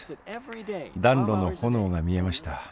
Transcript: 暖炉の炎が見えました。